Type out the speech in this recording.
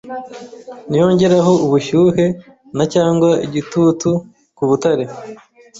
niyongeraho ubushyuhe na cyangwa igitutu kubutare